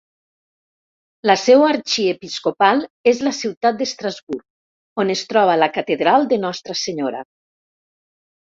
La seu arxiepiscopal és la ciutat d'Estrasburg, on es troba la catedral de Nostra Senyora.